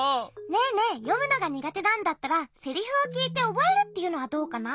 ねえねえよむのがにがてなんだったらセリフをきいておぼえるっていうのはどうかな？